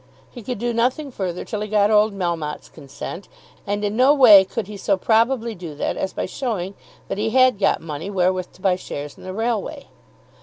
He could do nothing further till he got old Melmotte's consent, and in no way could he so probably do that as by showing that he had got money wherewith to buy shares in the railway.